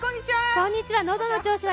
こんにちは。